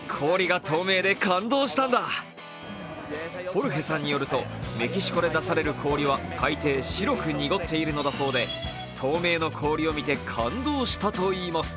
ホルヘさんによるとメキシコで出される水はたいてい白く濁っているのだそうで透明の氷を見て感動したといいます。